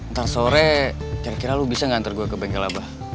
ntar sore kira kira lo bisa gak antar gue ke bengkel abah